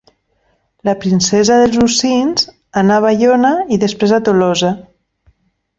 La princesa dels Ursins anà a Baiona, i després a Tolosa.